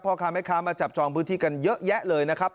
ค้าแม่ค้ามาจับจองพื้นที่กันเยอะแยะเลยนะครับ